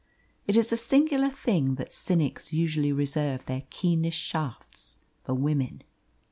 It is a singular thing that cynics usually reserve their keenest shafts for women.